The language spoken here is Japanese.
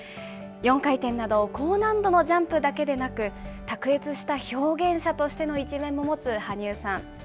４回転など、高難度のジャンプだけでなく、卓越した表現者としての一面も持つ羽生さん。